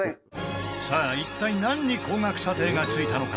さあ、一体何に高額査定が付いたのか？